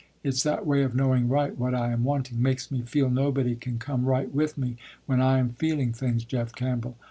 It's that way of knowing right what I am wanting, makes me feel nobody can come right with me, when I am feeling things, Jeff Campbell.